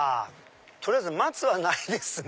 取りあえず松はないですね。